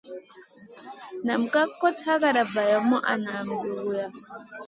Nam ka kot yagana valam a na dura.